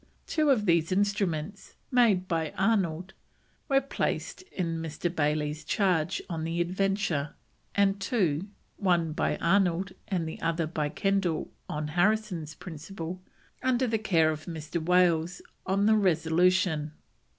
Two of these instruments, made by Arnold, were placed in Mr. Bayley's charge on the Adventure, and two, one by Arnold, and the other by Kendal on Harrison's principle, under the care of Mr. Wales on the Resolution.